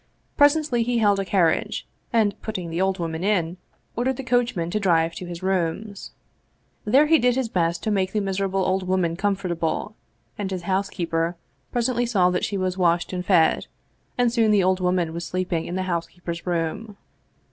Presently he hailed a carriage, and putting the old woman in, ordered the coachman to drive to his rooms. There he did his best to make the miserable old woman comfortable, and his housekeeper presently saw that she was washed and fed, and soon the old woman was sleep ing in the housekeeper's room.